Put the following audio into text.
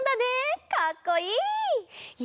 かっこいい！